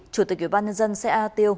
chủ tịch ủy ban nhân dân xã e tiêu